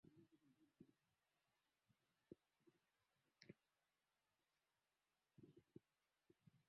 Pazia lake ni nzuri.